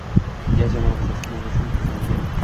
Gaz yonilgʻisi isteʼmoli uchun belgilangan.